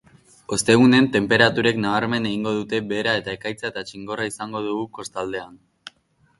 Ostegunen tenperaturek nabarmen egingo dute behera eta ekaitza eta txingorra izango dugu kostaldean.